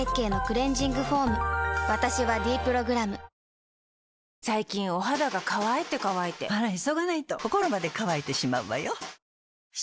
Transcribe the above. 私は「ｄプログラム」最近お肌が乾いて乾いてあら急がないと心まで乾いてしまうわよ。